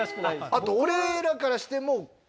あと俺らからしても。